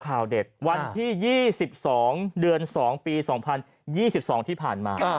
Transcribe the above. ข่าวเด็ดวันที่๒๒เดือน๒ปี๒๐๒๒ที่ผ่านมา